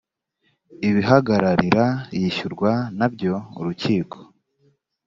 ibihagararira yishyurwa na byo urukiko